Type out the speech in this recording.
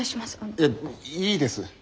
いやいいです。